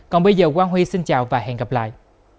còn bây giờ quang huy xin chào và hẹn gặp lại